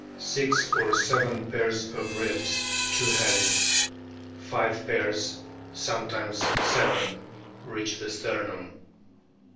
Six or seven pairs of ribs two headed; five pairs, sometimes seven, reach the sternum.